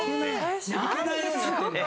抜けないようになってるんだ。